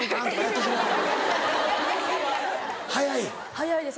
速いです